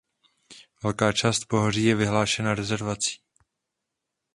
Velká část pohoří je vyhlášena rezervací.